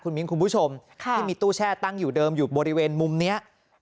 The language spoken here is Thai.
มิ้นคุณผู้ชมที่มีตู้แช่ตั้งอยู่เดิมอยู่บริเวณมุมนี้